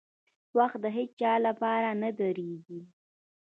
• وخت د هیڅ چا لپاره نه درېږي.